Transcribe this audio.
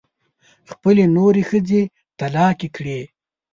خپلې نورې ښځې طلاقې کړې.